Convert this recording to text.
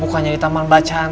bukannya di taman bacaan